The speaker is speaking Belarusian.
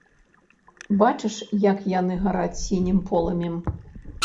Бачыш, як яны гараць сінім полымем?